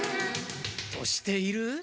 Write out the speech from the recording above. としている？